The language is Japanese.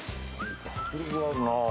迫力があるな。